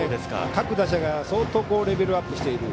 各打者が相当レベルアップしている。